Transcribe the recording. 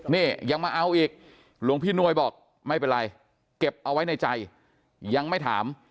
นี่ยังมาเอาอีกหลวงพี่นวยบอกไม่เป็นไรเก็บเอาไว้ในใจยังไม่ถาม